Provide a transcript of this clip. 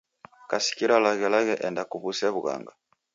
Kasikira laghelaghe enda kuw'use w'ughanga.